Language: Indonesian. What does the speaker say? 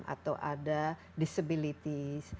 atau ada disabilities